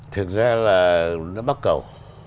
thực ra là nó bắt cầu